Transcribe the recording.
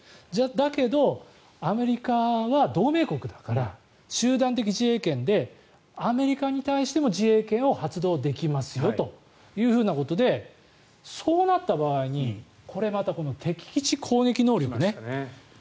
だけど、アメリカは同盟国だから集団的自衛権でアメリカに対しても自衛権を発動できますよということでそうなった場合にこれまた、敵基地攻撃能力ね。